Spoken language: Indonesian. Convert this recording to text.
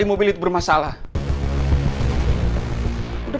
ini mobil bermasalah deh